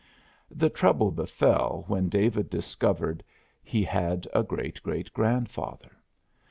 The trouble befell when David discovered he had a great great grandfather.